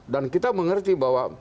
dan kita mengerti bahwa